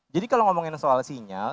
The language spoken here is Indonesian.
jadi kalau ngomongin soal sinyal